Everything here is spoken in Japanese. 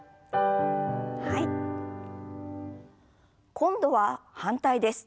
今度は反対です。